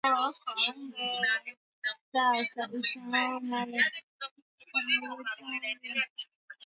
Takwimu za Januari ziko juu kuliko pato la mauzo ya nje